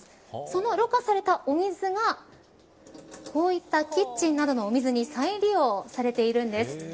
その、ろ過されたお水がこういったキッチンなどのお水に再利用されているんです。